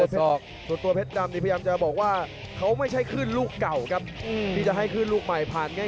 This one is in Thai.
ส่วนตัวเพชรดำพยายามจะบอกว่าเขาไม่ใช่ขึ้นลูกเก่าครับที่จะให้ขึ้นลูกใหม่ผ่านง่าย